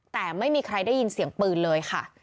แต่ไม่มีใครได้ยินเสียงปืนเลยค่ะ